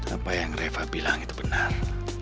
apa yang reva bilang itu benar